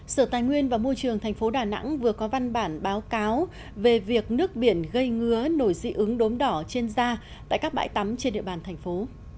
sở tài nguyên và môi trường tp đà nẵng vừa có văn bản báo cáo về việc nước biển gây ngứa nổi dị ứng đốm đỏ trên da tại các bãi tắm trên địa bàn thành phố